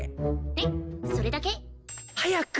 えっそれだけ？早く！